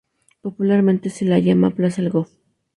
Popularmente se la llama plaza El Golf.